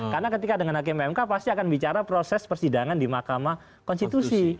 karena ketika dengan hakim pmk pasti akan bicara proses persidangan di mahkamah konstitusi